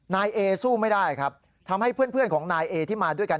นายเอสู้ไม่ได้ครับทำให้เพื่อนของนายเอที่มาด้วยกัน